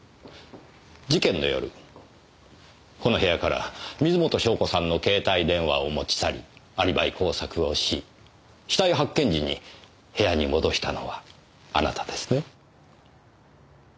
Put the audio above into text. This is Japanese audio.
事件の夜この部屋から水元湘子さんの携帯電話を持ち去りアリバイ工作をし死体発見時に部屋に戻したのはあなたですね？